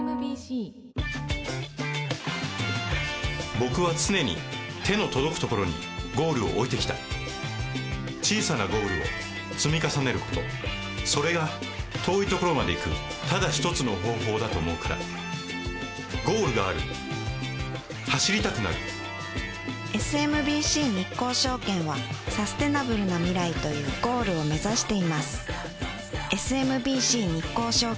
僕は常に手の届くところにゴールを置いてきた小さなゴールを積み重ねることそれが遠いところまで行くただ一つの方法だと思うからゴールがある走りたくなるＳＭＢＣ日興証券はサステナブルな未来というゴールを目指していますＳＭＢＣ日興証券